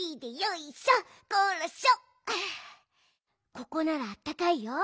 ここならあったかいよ。